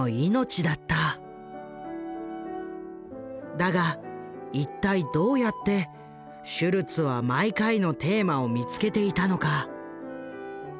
だが一体どうやってシュルツは毎回のテーマを見つけていたのか？